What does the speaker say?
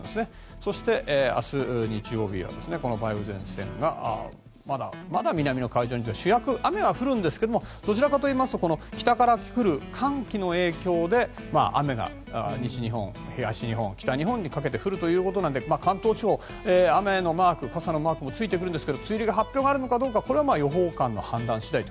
そして、明日日曜日はこの梅雨前線がまだ南の海上にいて雨は降るんですがどちらかというと北から来る寒気の影響で雨が西日本、東日本、北日本にかけて降るということなので関東地方は雨のマーク傘のマークもついてくるんですが梅雨入りの発表があるかはこれは予報官の判断次第と。